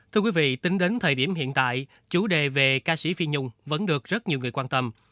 thưa quý vị tính đến thời điểm hiện tại chủ đề về ca sĩ phi nhung vẫn được rất nhiều người quan tâm